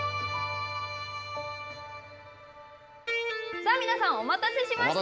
さあ、皆さん、お待たせしました。